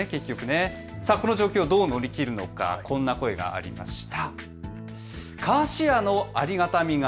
この状況をどう乗り切るのか、こんな声がありました。